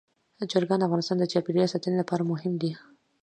چرګان د افغانستان د چاپیریال ساتنې لپاره مهم دي.